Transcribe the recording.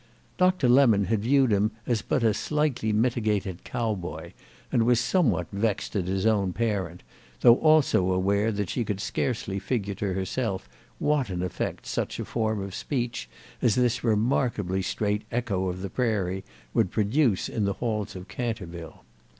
Doctor Lemon had viewed him as but a slightly mitigated cowboy, and was somewhat vexed at his own parent, though also aware that she could scarcely figure to herself what an effect such a form of speech as this remarkably straight echo of the prairie would produce in the halls of Canterville.